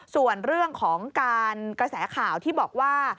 ส่วนเรื่องของการกระแสข่าวที่บอกว่า